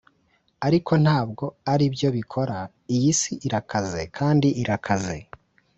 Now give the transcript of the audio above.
ariko ntabwo aribyo bikora; iyi si irakaze kandi irakaze